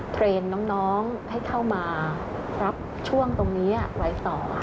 เทรนด์น้องให้เข้ามารับช่วงตรงนี้ไว้ต่อ